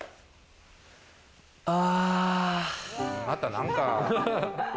あ！